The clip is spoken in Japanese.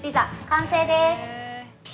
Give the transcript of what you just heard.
完成でーす。